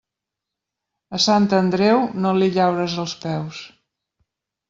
A Sant Andreu, no li llaures els peus.